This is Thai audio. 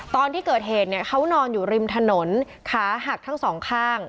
ตอนที่เกิดเหตุเนี่ยเขานอนอยู่ริมถนนขาหักทั้งสองข้าง